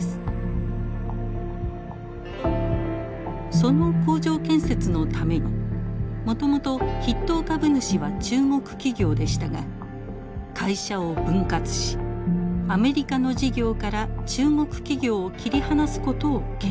その工場建設のためにもともと筆頭株主は中国企業でしたが会社を分割しアメリカの事業から中国企業を切り離すことを決定。